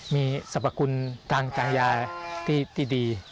มีสรรพคุณทางการยาที่ดี